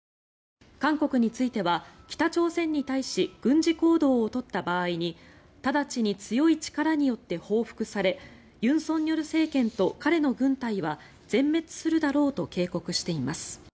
韓国については北朝鮮に対し軍事行動を取った場合に直ちに強い力によって報復され尹錫悦政権と彼の軍隊は全滅するだろうと警告しています。